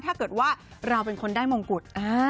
ถ้าเกิดว่าเราเป็นคนได้มงกุฎ